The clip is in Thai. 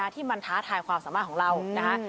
ที่มันท้าทายความสามารถของเรานะคะ